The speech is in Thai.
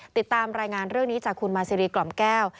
ติดตามรายงานเรื่องนี้จากคุณมาซีรีกล่อมแก้ว